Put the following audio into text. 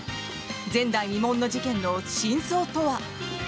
前代未聞の事件の真相とは。